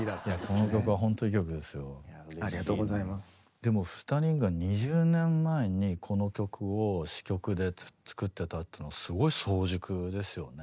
でも２人が２０年前にこの曲を詞曲で作って歌うっていうのすごい早熟ですよね。